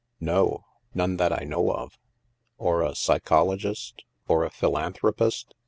" No. None that I know of." Or a psychologist, or a philanthropist